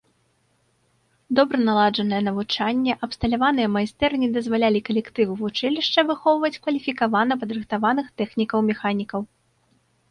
Добра наладжанае навучанне, абсталяваныя майстэрні дазвалялі калектыву вучылішча выхоўваць кваліфікавана падрыхтаваных тэхнікаў-механікаў.